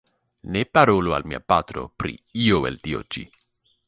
Ne parolu al mia patro pri io el tio ĉi.